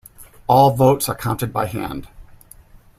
All votes are counted by hand.